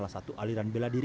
dan juga olimpiade